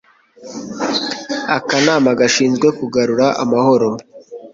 akanama gashinzwe kugarura amahoro